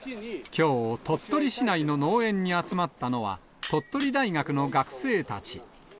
きょう、鳥取市内の農園に集まったのは、鳥取大学の学生たち。